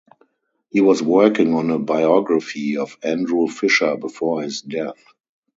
He was working on a biography of Andrew Fisher before his death.